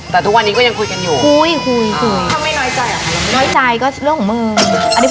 เราอย่างคุยกันอยู่